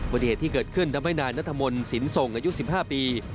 ปฏิเหตุที่เกิดขึ้นทำให้นายนัทมนต์สินส่งอายุ๑๕ปี